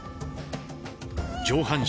上半身